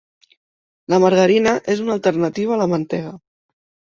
La margarina és una alternativa a la mantega.